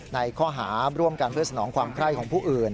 ในข้อหาร่วมกันเพื่อสนองความไคร้ของผู้อื่น